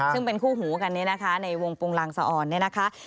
ซึ่งเป็นคู่หูกันนี้นะคะในวงปรุงลางสะอ่อนเนี่ยนะคะ